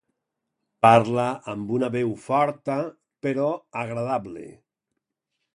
Parla amb una veu forta però agradable.